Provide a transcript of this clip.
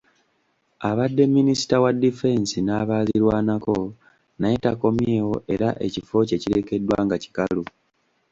Abadde minisita wa difensi n’abaazirwanako naye takomyewo era ekifo kye kirekeddwa nga kikalu